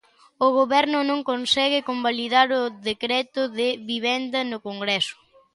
O Goberno non consegue convalidar o decreto de vivenda no Congreso.